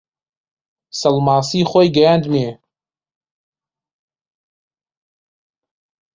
سەڵماسی خۆی گەیاندمێ